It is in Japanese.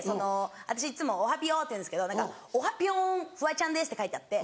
私いつも「おはぴよ」って言うんですけど「おはぴょんフワちゃんです」って書いてあって。